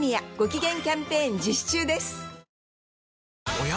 おや？